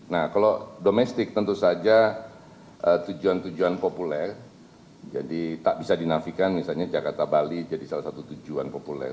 nah kalau domestik tentu saja tujuan tujuan populer jadi tak bisa dinafikan misalnya jakarta bali jadi salah satu tujuan populer